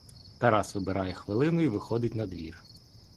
Тарас вибирає хвилину й виходить на двір.